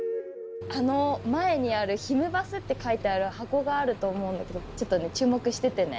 前にある「ひむバス！」って書いてある箱があると思うんだけどちょっとね注目しててね。